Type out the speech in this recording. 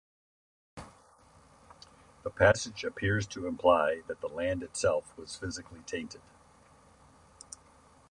The passage appears to imply that the land itself was physically tainted.